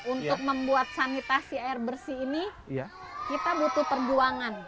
untuk membuat sanitasi air bersih ini kita butuh perjuangan